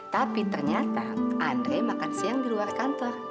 tapi ternyata andre makan siang di luar kantor